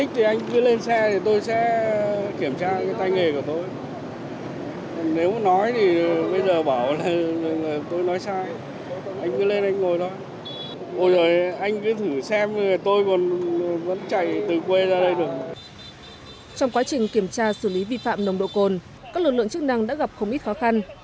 trong quá trình kiểm tra xử lý vi phạm nồng độ cồn các lực lượng chức năng đã gặp không ít khó khăn